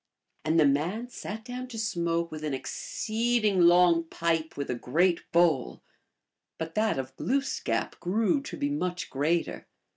j And the man sat down to smoke with an exceeding] long pipe with a great bowl, but that of Glooskap grew to be much greater.